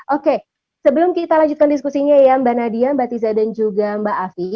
oke sebelum kita lanjutkan diskusinya ya mbak nadia mbak tiza dan juga mbak afi